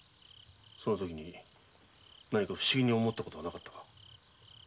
そのとき不思議に思ったことはなかったか？